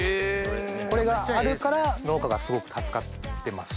これがあるから農家がすごく助かってました。